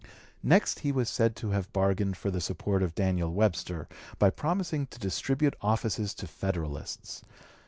Next he was said to have bargained for the support of Daniel Webster, by promising to distribute offices to Federalists.